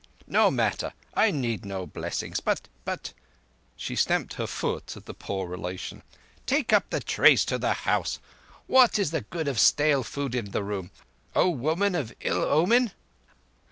No matter. I need no blessings, but—but—" She stamped her foot at the poor relation. "Take up the trays to the house. What is the good of stale food in the room, O woman of ill omen?"